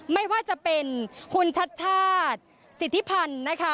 ไม่ว่าจะเป็นคุณชัชชาสิทธิพันธ์